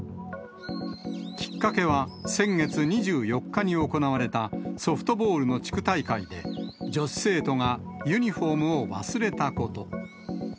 きっかけは、先月２４日に行われたソフトボールの地区大会で、女子生徒がユニホームを忘れたこと。